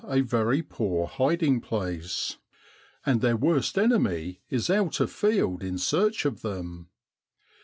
a very poor hiding place ; and their worst enemy is out afield in search of them.